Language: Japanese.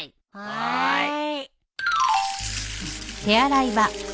はい。